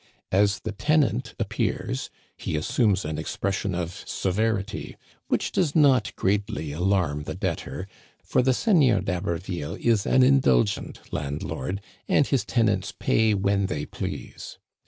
As the tenant appears, he assumes an expression of severity, which does not greatly alarm the debtor, for the Seigneur d'Haberville is an indulgent landlord, and his tenants pay when they please.